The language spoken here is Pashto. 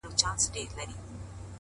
نن له سیوري سره ځمه خپل ګامونه ښخومه؛